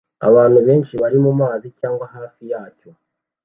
Abantu benshi bari mumazi cyangwa hafi yacyo